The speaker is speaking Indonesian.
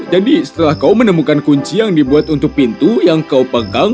jadi setelah kau menemukan kunci yang dibuat untuk pintu yang kau pegang